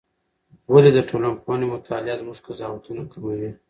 ولې د ټولنپوهنې مطالعه زموږ قضاوتونه کموي؟